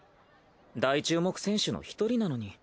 大注目選手の一人なのに。